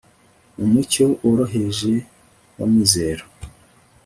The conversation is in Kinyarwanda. mu mucyo woroheje w'amizero